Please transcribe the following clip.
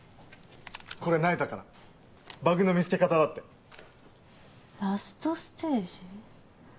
これ那由他からバグの見つけ方だってラストステージ？